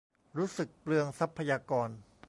รู้สึกเปลืองทรัพยากร